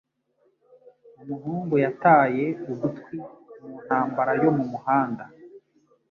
Umuhungu yataye ugutwi mu ntambara yo mu muhanda.